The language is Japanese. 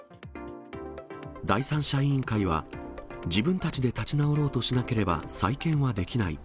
第三者委員会は、自分たちで立ち直ろうとしなければ、再建はできない。